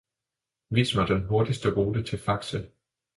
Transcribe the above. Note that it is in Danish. Vis mig den hurtigste rute til Faxe